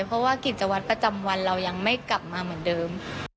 เพราะว่ากิจวัตรประจำวันเรายังไม่กลับมาเหมือนเดิม